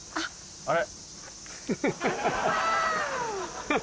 あれ？